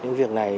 những việc này